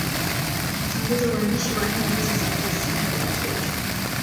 ukichunguza uandishi wa aina hizo za fasihi ya watoto